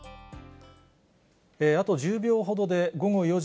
あと１０秒ほどで、午後４時